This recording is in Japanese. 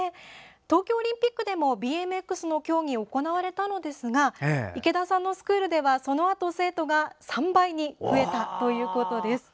東京オリンピックでもＢＭＸの競技が行われたのですが池田さんのスクールではそのあと生徒が３倍に増えたということです。